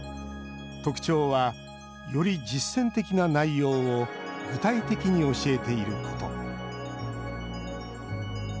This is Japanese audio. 特徴は、より実践的な内容を具体的に教えていること。